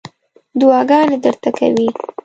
دعاګانې درته کوي.